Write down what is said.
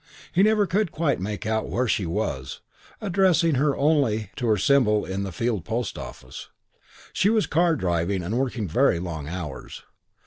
He never could quite make out where she was, addressing her only to her symbol in the Field post office. She was car driving and working very long hours.